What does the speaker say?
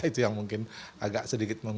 itu yang mungkin agak sedikit